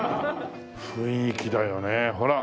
雰囲気だよねほら。